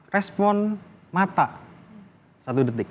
respon mata satu detik